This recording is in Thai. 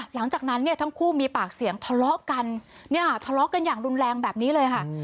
หลังจากนั้นทั้งคู่มีปากเสียงทะเลาะกันอย่างรุนแรงแบบนี้เลยค่ะ